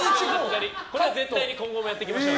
これは絶対に今後もやっていきましょう。